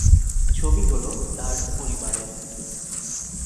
ছবিগুলো তার পরিবারের।